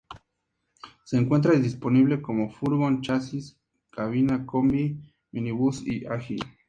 Se encuentra disponible como: furgón, chasis cabina, combi, minibús y ágil.